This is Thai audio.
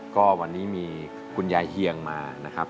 ก็วันนี้มีคุณยายเฮียงมานะครับ